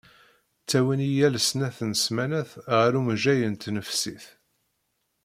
Ttawin-iyi yal snat n smanat ɣer umejjay n tnefsit.